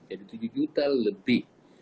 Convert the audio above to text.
jadi tujuh juta lebih